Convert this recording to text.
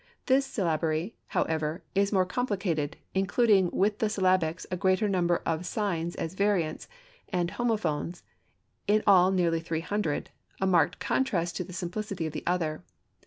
This syllabary, however, is more complicated, including with the syllabics a greater number of signs as variants, and homophones, in all nearly three hundred; a marked contrast to the simplicity of the other.